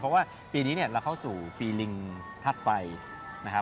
เพราะว่าปีนี้เราเข้าสู่ปีลิงทาสไฟนะครับ